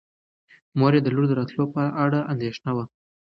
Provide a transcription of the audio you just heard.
مور یې د لور د راتلونکي په اړه اندېښمنه وه.